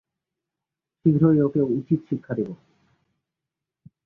শীঘ্রই ওকে উচিত শিক্ষা দেবো!